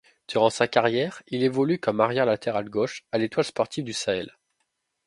Durant sa carrière, il évolue comme arrière latéral gauche à l'Étoile sportive du Sahel.